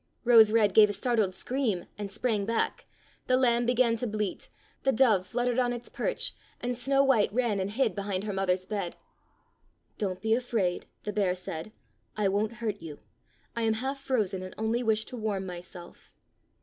Rose red gave a startled scream and sprang back, the lamb began to bleat, the dove fluttered on its perch, and Snow white ran and hid 37 Fairy Tale Bears behind her mother's bed. " Don't be afraid," the bear said. "I won't hurt you. I am half frozen and only wish to warm myself."